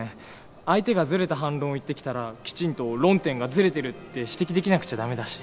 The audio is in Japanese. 相手がずれた反論を言ってきたらきちんと「論点がずれてる」って指摘できなくちゃ駄目だし。